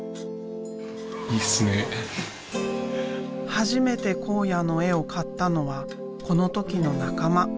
初めて考哉の絵を買ったのはこの時の仲間。